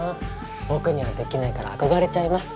僕にはできないから憧れちゃいます。